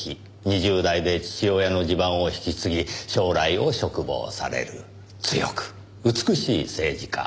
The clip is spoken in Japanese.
２０代で父親の地盤を引き継ぎ将来を嘱望される強く美しい政治家。